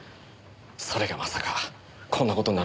それがまさかこんな事になるとは。